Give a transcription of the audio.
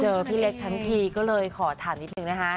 พี่เล็กทั้งทีก็เลยขอถามนิดนึงนะคะ